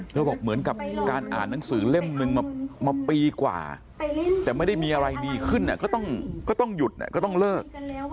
บอกเหมือนกับการอ่านหนังสือเล่มนึงมาปีกว่าแต่ไม่ได้มีอะไรดีขึ้นก็ต้องหยุดก็ต้องเลิก